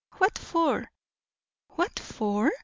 "What for?" "What for?"